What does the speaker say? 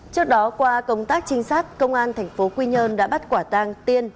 trước đó qua công tác trinh sát công an tp quy nhơn đã bắt quả tang tiên